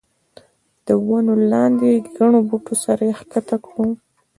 د ونو لاندې ګڼو بوټو سره یې ښکته کړو.